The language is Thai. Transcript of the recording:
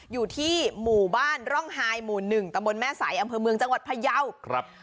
อยู่ที่หมู่บ้านร่องฮายหมู่๑ตะบนแม่สายอำเภอเมืองจังหวัดพะเยา